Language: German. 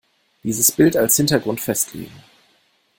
Dieses Bild als Hintergrund festlegen.